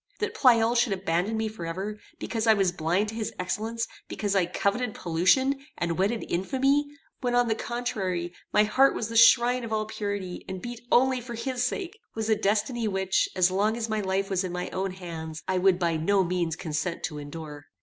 That Pleyel should abandon me forever, because I was blind to his excellence, because I coveted pollution, and wedded infamy, when, on the contrary, my heart was the shrine of all purity, and beat only for his sake, was a destiny which, as long as my life was in my own hands, I would by no means consent to endure.